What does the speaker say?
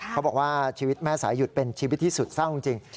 เขาบอกว่าชีวิตแม่สายหยุดเป็นชีวิตที่สุดเศร้าจริง